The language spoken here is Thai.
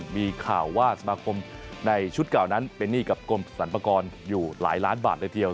มีข่าวว่าสมาคมในชุดเก่านั้นเป็นหนี้กับกรมสรรพากรอยู่หลายล้านบาทเลยทีเดียว